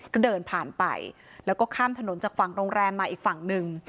ก็เดินผ่านไปแล้วก็ข้ามถนนจากฝั่งโรงแรมมาอีกฝั่งหนึ่ง